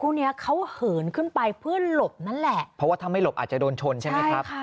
คู่เนี้ยเขาเหินขึ้นไปเพื่อหลบนั่นแหละเพราะว่าถ้าไม่หลบอาจจะโดนชนใช่ไหมครับ